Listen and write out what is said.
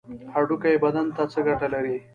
هډوکي بدن ته څه ګټه لري؟